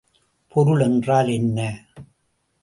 பொருள் என்றால் என்ன?